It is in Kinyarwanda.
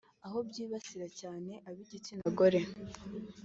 aho byibasira cyane ab’igitsina gore